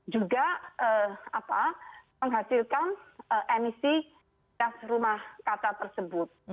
juga menghasilkan emisi gas rumah kaca tersebut